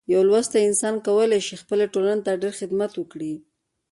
یو لوستی انسان کولی شي خپلې ټولنې ته ډیر خدمت وکړي.